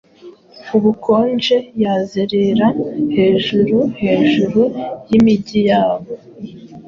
Ubukonje yazerera hejuru, hejuru yimijyi yabo